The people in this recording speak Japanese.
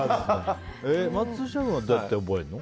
松下君はどうやって覚えるの？